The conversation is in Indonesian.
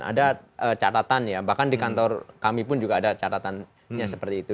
ada catatan ya bahkan di kantor kami pun juga ada catatannya seperti itu